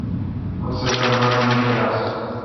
اؙں سفر باڑ بیکھر آس۔